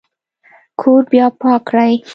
کور بیا پاک کړئ